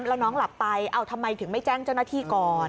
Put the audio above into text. แล้วน้องหลับไปทำไมถึงไม่แจ้งเจ้าหน้าที่ก่อน